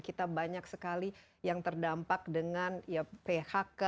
kita banyak sekali yang terdampak dengan phk ataupun dengan pendapatan mereka yang berkurang